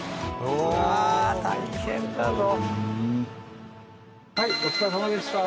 お疲れさまでした。